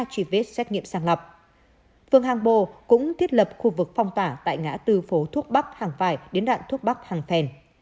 trang bộ cũng thiết lập khu vực phong tỏa tại ngã tư phố thuốc bắc hàng phải đến đạn thuốc bắc hàng phèn